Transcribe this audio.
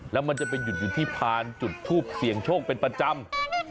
แล้วมันจะไปหยุดอยู่ที่พานจุดทูปเสี่ยงโชคเป็นประจำ